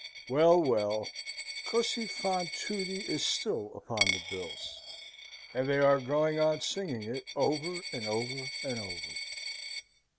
Well, well, Cosi fan tutti is still upon the bills, and they are going on singing it over and over and over.